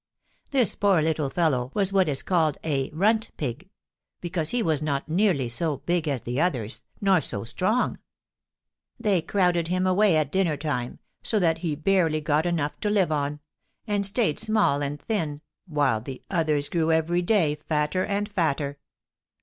This poor little fellow was what is called a runt pig, because he was not nearly so big as the others, nor so strong. They crowded him away at dinner time, so that he barely got enough to live on, and stayed small and thin, while the others grew every day fatter and fatter.